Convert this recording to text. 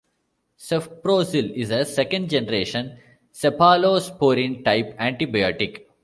Cefprozil is a second-generation cephalosporin type antibiotic.